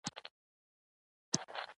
په بانک کې د پیسو ایښودل له غلا مخه نیسي.